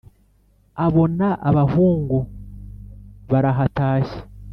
abona abahungu barahatashye